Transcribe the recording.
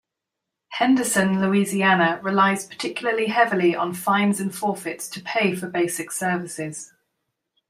Henderson, Louisiana relies particularly heavily on fines and forfeits to pay for basic services.